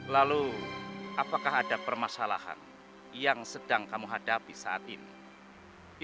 lalu apakah ada permasalahan yang sedang kamu hadapi saat ini